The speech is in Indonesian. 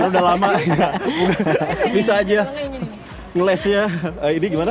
udah lama bisa aja nge lashnya ini gimana